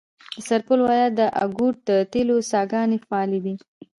د سرپل ولایت د انګوت د تیلو څاګانې فعالې دي.